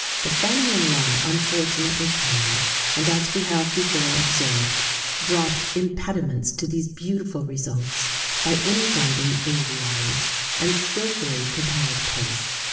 [XVII 24] The Fannian law unfortunately came, and, as we have before observed, brought impediments to these beautiful results by interdicting aviaries and skilfully prepared pastes.